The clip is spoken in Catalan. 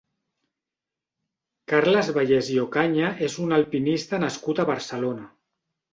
Carles Vallès i Ocaña és un alpinista nascut a Barcelona.